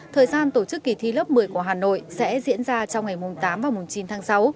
thời gian tổ chức kỳ thi lớp một mươi của hà nội sẽ diễn ra trong ngày tám và mùng chín tháng sáu